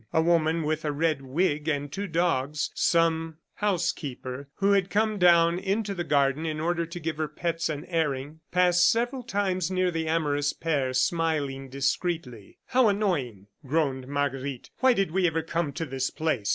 A woman with a red wig and two dogs some housekeeper who had come down into the garden in order to give her pets an airing passed several times near the amorous pair, smiling discreetly. "How annoying!" groaned Marguerite. "Why did we ever come to this place!"